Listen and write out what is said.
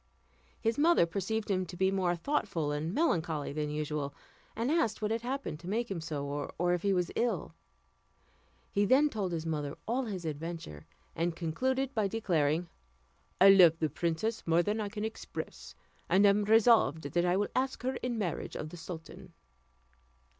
His mother perceived him to be more thoughtful and melancholy than usual; and asked what had happened to make him so, or if he was ill. He then told his mother all his adventure, and concluded by declaring, "I love the princess more than I can express, and am resolved that I will ask her in marriage of the sultan."